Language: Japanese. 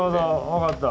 分かった。